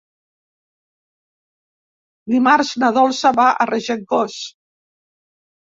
Dimarts na Dolça va a Regencós.